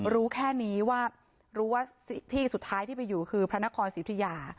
รู้แค่นี้ว่ารู้ว่าที่สุดท้ายที่ไปอยู่คือพระนครสิทธิยา